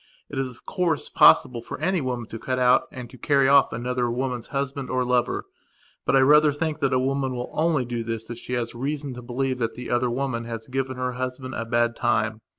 It is, of course, possible for any woman to cut out and to carry off any other woman's husband or lover. But I rather think that a woman will only do this if she has reason to believe that the other woman has given her husband a bad time.